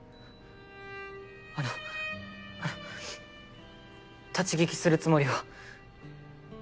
あの立ち聞きするつもりは。